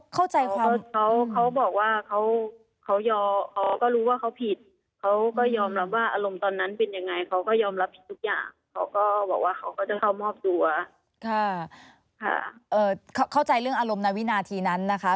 เขาก็บอกว่าเขาก็รู้ว่าเขาผิดเขาก็ยอมรับว่าอารมณ์ตอนนั้นเป็นยังไงเขาก็ยอมรับผิดทุกอย่างเขาก็บอกว่าเขาก็จะเข้ามามอบตัว